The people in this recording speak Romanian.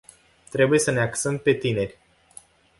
Trebuie să ne axăm pe tineri.